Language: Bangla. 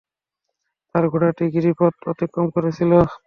তার ঘোড়াটি গিরিপথ অতিক্রম করছিল।